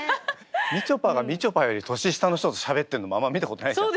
みちょぱがみちょぱより年下の人としゃべってるのもあんま見たことないから。